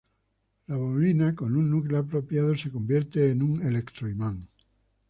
La bobina con un núcleo apropiado, se convierte en un electroimán.